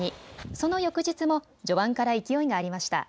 その翌日も序盤から勢いがありました。